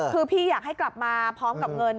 คือพี่อยากให้กลับมาพร้อมกับเงิน